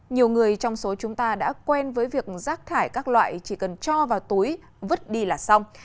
nhiều người trong số chúng ta đã quen với việc rác thải các loại chỉ cần cho vào túi vứt đi là xong